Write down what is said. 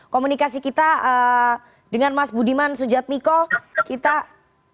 komunikasi kita eh dengan mas budiman sujat miko kita atau harus jedad dan skentario malam tadi